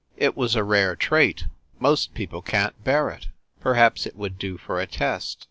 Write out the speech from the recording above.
It was a rare trait; most people can t bear it. Perhaps it would do for a test.